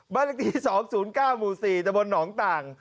เลขที่๒๐๙หมู่๔ตะบนหนองต่าง